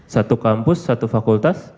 satu kampus satu fakultas